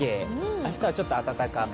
明日はちょっと暖かめ？